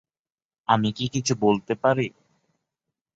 আমি কী কিছু বলতে পারি?